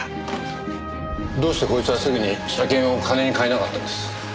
どうしてこいつはすぐに車券を金に換えなかったんです？